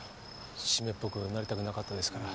湿っぽくなりたくなかったですから。